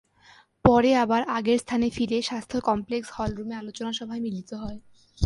পরে আবার আগের স্থানে ফিরে স্বাস্থ্য কমপ্লেক্স হলরুমে আলোচনা সভায় মিলিত হয়।